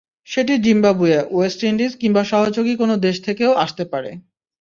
সেটি Zimbabwe, West Indies কিংবা সহযোগী কোনো দেশ থেকেও আসতে পারে।